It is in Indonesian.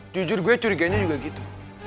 jujur gue curiganya juga gitu